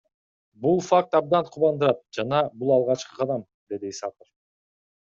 Бул факт абдан кубандырат жана бул алгачкы кадам, — деди Исаков.